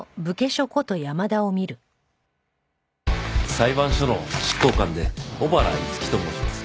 裁判所の執行官で小原樹と申します。